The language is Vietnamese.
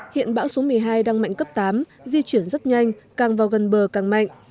hiện bão số một mươi hai đang mạnh cấp tám di chuyển rất nhanh càng vào gần bờ càng mạnh